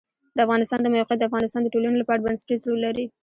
د افغانستان د موقعیت د افغانستان د ټولنې لپاره بنسټيز رول لري.